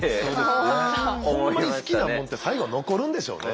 ほんまに好きなもんって最後は残るんでしょうねきっと。